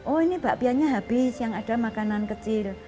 oh ini bakpianya habis yang ada makanan kecil